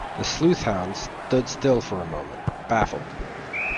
The sleuth-hound stood still for a moment, baffled.